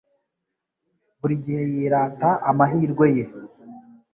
Buri gihe yirata amahirwe ye.